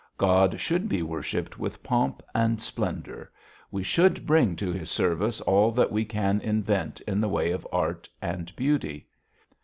God should be worshipped with pomp and splendour; we should bring to His service all that we can invent in the way of art and beauty.